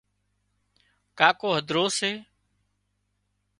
ڪاڪو هڌرو سي